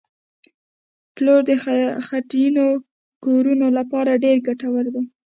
پلوړ د خټینو کورو لپاره ډېر ګټور دي